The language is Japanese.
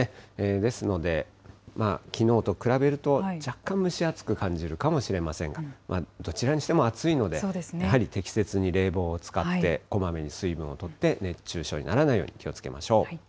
ですので、きのうと比べると若干蒸し暑く感じるかもしれませんが、どちらにしても暑いので、やはり適切に冷房を使って、こまめに水分をとって、熱中症にならないように気をつけましょう。